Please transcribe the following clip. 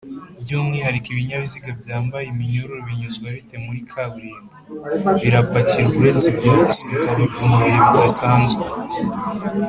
byumwihariko Ibinyabiziga byambaye iminyururu binyuzwa bite muri kaburimbo? birapakirwa uretse ibya gisirikare mubihe bidasanzwe